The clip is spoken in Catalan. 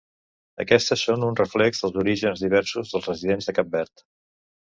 Aquestes són un reflex dels orígens diversos dels residents de Cap Verd.